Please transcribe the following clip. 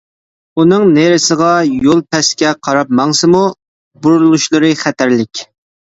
ئۇنىڭ نېرىسىغا يول پەسكە قاراپ ماڭسىمۇ، بۇرۇلۇشلىرى خەتەرلىك.